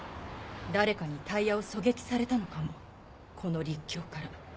誰かにタイヤを狙撃されたのかもこの陸橋から。